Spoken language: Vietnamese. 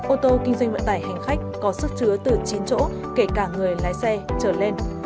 ô tô kinh doanh vận tải hành khách có sức chứa từ chín chỗ kể cả người lái xe trở lên